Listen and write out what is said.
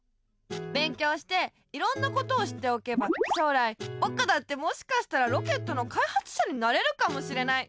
勉強していろんなことを知っておけば将来ぼくだってもしかしたらロケットのかいはつしゃになれるかもしれない。